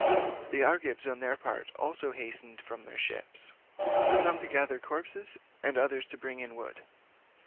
The Argives on their part also hastened from their ships, some to gather the corpses, and others to bring in wood.